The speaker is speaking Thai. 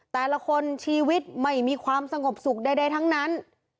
แต่ละคนชีวิตไม่มีความสงบสุขใดทั้งนั้น